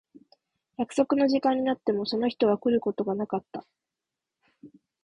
約束の時間になってもその人は来ることがなかった。